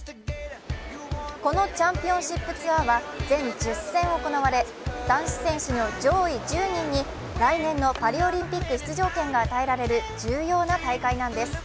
このチャンピオンシップツアーは全１０戦行われ男子選手の上位１０人に来年のパリオリンピック出場権が与えられる重要な大会なんです。